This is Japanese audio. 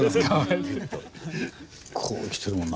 こうきてるもんな。